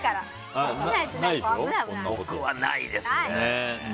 僕はないですね。